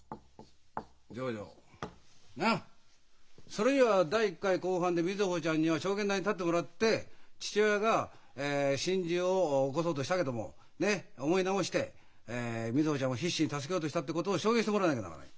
それには第１回公判で瑞穂ちゃんには証言台に立ってもらって「父親が心中を起こそうとしたけども思い直して瑞穂ちゃんを必死に助けようとした」ってことを証言してもらわなきゃならない。